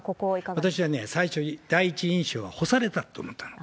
私はね、最初、第一印象は干されたと思ったの。